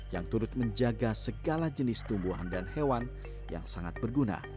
yang turut menjaga segala jenis tumbuhan dan hewan yang sangat berguna